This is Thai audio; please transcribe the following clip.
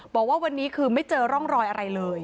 บอกว่าวันนี้คือไม่เจอร่องรอยอะไรเลย